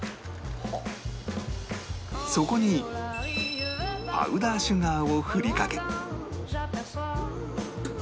そこにパウダーシュガーを振りかけ